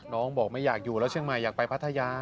บอกไม่อยากอยู่แล้วเชียงใหม่อยากไปพัทยา